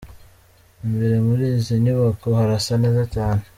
Imbere muri izi nyubako harasa neza cyane.